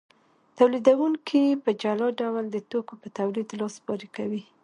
تولیدونکي په جلا ډول د توکو په تولید لاس پورې کوي